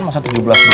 masa tujuh belas belum